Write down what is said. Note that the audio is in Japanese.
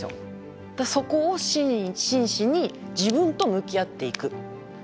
そこを真摯に自分と向き合っていく。